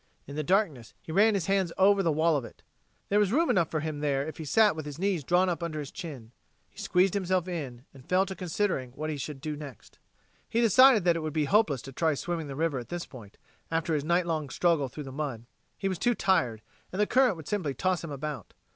In the darkness, he ran his hands over the wall of it. There was room enough for him there if he sat with his knees drawn up under his chin. He squeezed himself in, and fell to considering what he had better do next. He decided that it would be hopeless to try swimming the river at this point, after his night long struggle through the mud. He was too tired, and the current would simply toss him about.